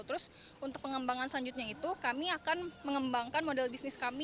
terus untuk pengembangan selanjutnya itu kami akan mengembangkan model bisnis kami